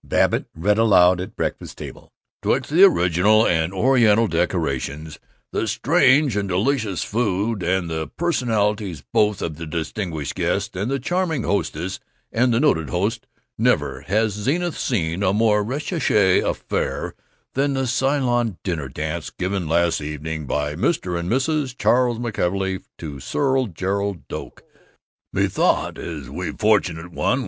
Babbitt read aloud at breakfast table: 'Twixt the original and Oriental decorations, the strange and delicious food, and the personalities both of the distinguished guests, the charming hostess and the noted host, never has Zenith seen a more recherche affair than the Ceylon dinner dance given last evening by Mr. and Mrs. Charles McKelvey to Sir Gerald Doak. Methought as we fortunate one!